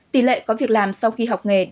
tỷ lệ có việc làm sau khi hạng